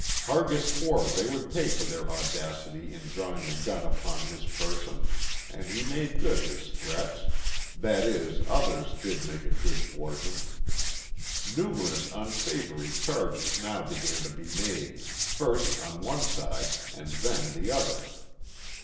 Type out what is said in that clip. Hargis swore they would pay for their audacity in drawing a gun upon his person, and he made good his threats, that is, others did make it good for him. Numerous unsavory charges now began to be made first on one side and then the other.